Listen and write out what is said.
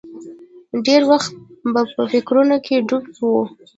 ډېر وخت به په فکرونو کې ډوب و.